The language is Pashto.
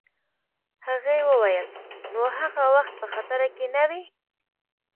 هغې وویل: نو هغه وخت په خطره کي نه وې؟